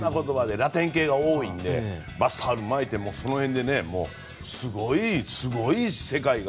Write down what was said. ラテン系が多いのでバスタオル巻いてその辺ですごい世界が。